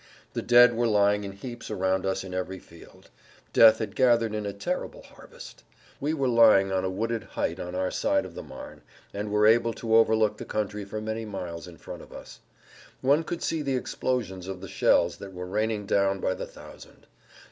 The dead were lying in heaps around us in every field; death had gathered in a terrible harvest. We were lying on a wooded height on our side of the Marne, and were able to overlook the country for many miles in front of us. One could see the explosions of the shells that were raining down by the thousand.